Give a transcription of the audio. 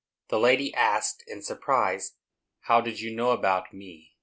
The lady asked, in surprise, "How did you know about me?"